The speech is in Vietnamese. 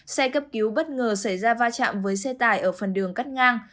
xe cấp cứu bất ngờ xảy ra va chạm với xe tải ở phần đường cắt ngang